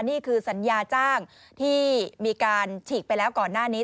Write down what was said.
นี่คือสัญญาจ้างที่มีการฉีกไปแล้วก่อนหน้านี้